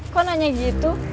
kok nanya gitu